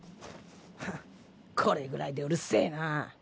フンッこれくらいでうるせえな。